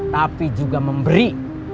tapi juga memberi